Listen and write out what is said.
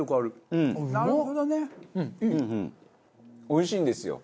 おいしいんですよ。